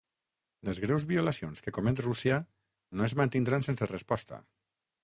Les greus violacions que comet Rússia no es mantindran sense resposta.